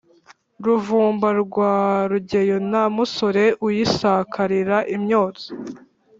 Ruvumba rwa Rugeyo nta musore uyisakarira.-Imyotsi.